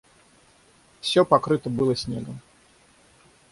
Все покрыто было снегом.